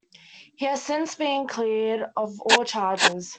He has since been cleared of all charges.